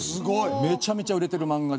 めちゃめちゃ売れてる漫画でして。